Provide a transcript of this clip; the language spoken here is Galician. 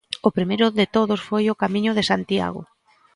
O primeiro de todos foi o camiño de Santiago.